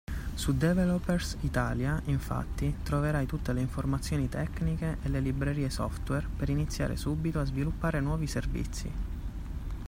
Su Developers Italia, infatti, troverai tutte le informazioni tecniche e le librerie software per iniziare subito a sviluppare nuovi servizi.